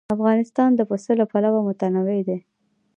افغانستان د پسه له پلوه متنوع دی.